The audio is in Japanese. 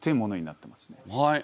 はい。